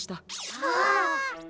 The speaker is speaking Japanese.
ああ。